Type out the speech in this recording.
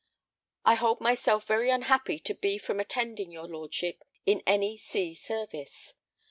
I hold myself very unhappy to be from attending your lordship in any sea service.